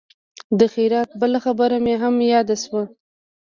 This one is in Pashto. د خیرات بله خبره مې هم یاده شوه.